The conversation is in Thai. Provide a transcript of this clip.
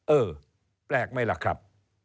เออแปลกไหมล่ะครับ